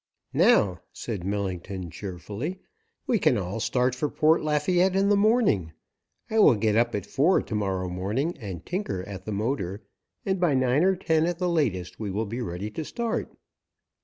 "Now," said Millington cheerfully, "we can all start for Port Lafayette in the morning. I will get up at four to morrow morning and tinker at the motor, and by nine, or ten at the latest, we will be ready to start."